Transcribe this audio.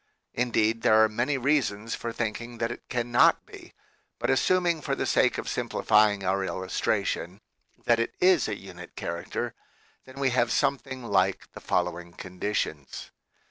Indeed, there are many reasons for think ing that it cannot be. But assuming for the sake of simplifying our illustration that it is a "unit character," then we have something like the following conditions.